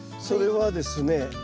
それはですね